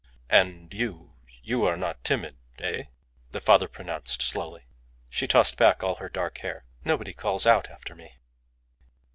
"And you? You are not timid eh?" the father pronounced, slowly. She tossed back all her dark hair. "Nobody calls out after me."